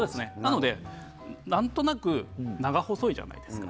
なので何となく長細いじゃないですか。